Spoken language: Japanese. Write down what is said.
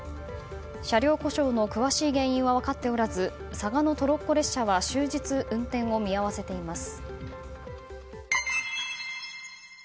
車両故障の詳しい原因は分かっておらず嵯峨野トロッコ列車は終日、運転を見合わせています。